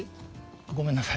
ごめんなさい。